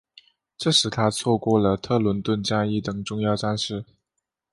这使他错过了特伦顿战役等重要战事。